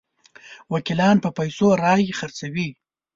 وکیلان په پیسو رایې خرڅوي.